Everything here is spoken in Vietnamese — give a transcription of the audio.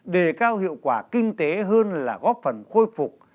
đề cao hiệu quả kinh tế hơn là góp phần khôi phục